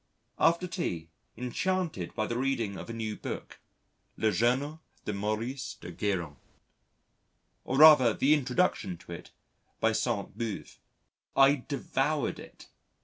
After tea, enchanted by the reading of a new book Le Journal de Maurice de Guérin or rather the introduction to it by Sainte Beuve. I devoured it!